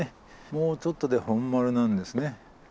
もうちょっとで本丸なんですね。